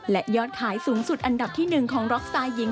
และยอดคล้ายสูงสุดอันดับที่หนึ่งของร็อกสายหญิง